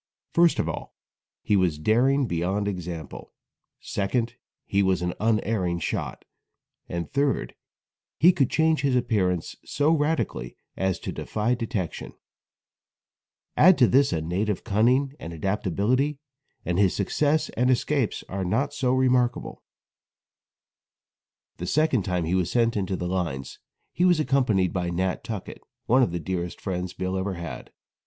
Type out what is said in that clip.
First of all, he was daring beyond example; second, he was an unerring shot, and third, he could change his appearance so radically as to defy detection; add to this a native cunning and adaptability, and his success and escapes are not so remarkable. [Illustration: Bill's Escape from the Confederates.] The second time he was sent into the lines he was accompanied by Nat. Tuckett, one of the dearest friends Bill ever had.